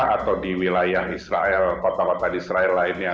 atau di wilayah israel kota kota israel lainnya